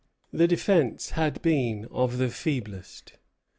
The defence had been of the feeblest.